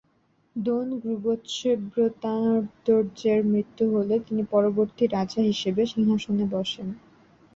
দোন-'গ্রুব-ত্শে-ব্র্তান-র্দো-র্জের মৃত্যু হলে তিনি পরবর্তী রাজা হিসেবে সিংহাসনে বসেন।